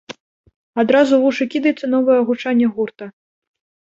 Адразу ў вушы кідаецца новае гучанне гурта.